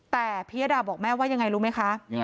แต่พิยดาบอกแม่ว่ายังไงรู้ไหมคะ